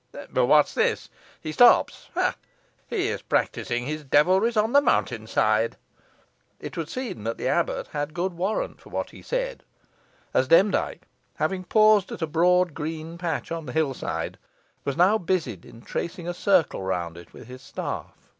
But what is this? he stops ha! he is practising his devilries on the mountain's side." It would seem that the abbot had good warrant for what he said, as Demdike, having paused at a broad green patch on the hill side, was now busied in tracing a circle round it with his staff.